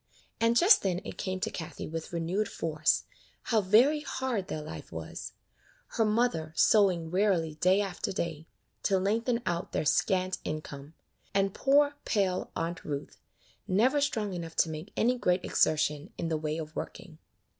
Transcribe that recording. And just then it came to Kathie with renewed force, how very hard their life was ; her mother sewing wearily day after day, to lengthen out their scant income, and poor, pale Aunt Ruth, never strong enough to make any great exertion in the way of working.